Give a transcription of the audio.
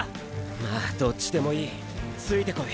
まあどっちでもいいついてこい。